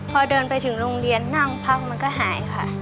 พอเดินไปถึงโรงเรียนนั่งพักมันก็หายค่ะ